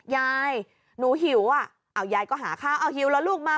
ยายหนูหิวอ่ะเอายายก็หาข้าวเอาหิวเหรอลูกมา